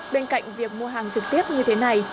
bên cạnh việc mua hàng trực tiếp như thế này